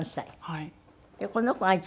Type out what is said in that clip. はい。